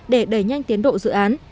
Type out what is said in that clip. để đẩy nhanh tiến độ dự án